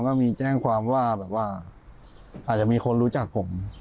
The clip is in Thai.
ว่ามีแจ้งความว่าแบบว่าอาจจะมีคนรู้จักผม